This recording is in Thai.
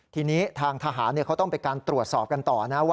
ทีนี้ทางทหารเขาต้องไปการตรวจสอบกันต่อนะว่า